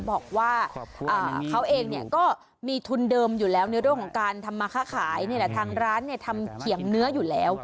บอกว่าเขาเองเนี่ยก็มีทุนเดิมอยู่แล้วในเรื่องของการทำมาค่าขายนี่แหละทางร้านทำเขียงเนื้ออยู่แล้ว